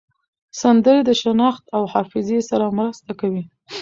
سندرې د شناخت او حافظې سره مرسته کوي.